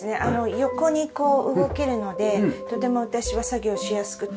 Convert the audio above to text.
横にこう動けるのでとても私は作業しやすくて。